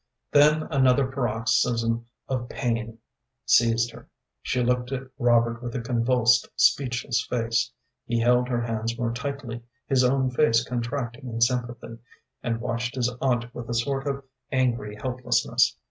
Then another paroxysm of pain seized her. She looked at Robert with a convulsed, speechless face. He held her hands more tightly, his own face contracting in sympathy, and watched his aunt with a sort of angry helplessness.